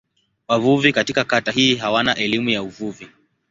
Wavuvi katika kata hii hawana elimu ya uvuvi.